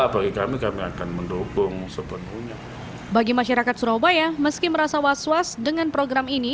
bagi masyarakat surabaya meski merasa was was dengan program ini